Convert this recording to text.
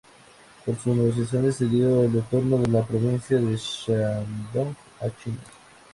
Por sus negociaciones se dio el retorno de la provincia de Shandong a China.